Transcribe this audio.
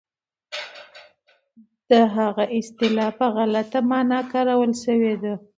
دغه اصطلاح په غلطه مانا کارول شوې ده.